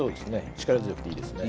力強くていいですね。